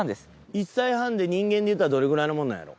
１歳半で人間でいうたらどれくらいのもんなんやろ。